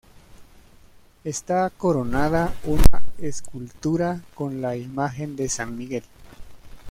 Está coronada una escultura con la imagen de San Miguel.